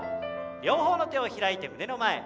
両方の手を開いて胸の前。